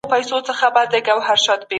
کبر او غرور انسان د زوال لوري ته بيايي.